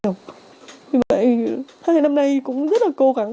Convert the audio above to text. vì vậy hai năm nay cũng rất là cố gắng